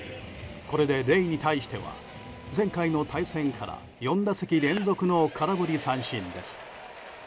これでレイに対しては前回の対戦から４打席連続の空振り三振です。